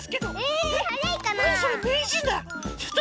なにそれめいじんだ！